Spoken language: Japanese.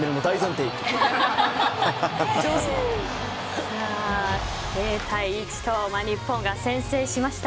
０対１と日本が先制しました。